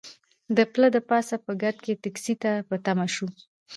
د پله د پاسه په ګرد کې ټکسي ته په تمه شوو.